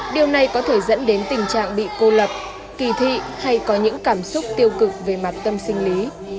điều này có thể dẫn đến tình trạng bị cô lập kỳ thị hay có những cảm xúc tiêu cực về mặt tâm sinh lý